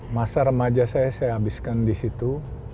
masa remaja saya saya habiskan di situ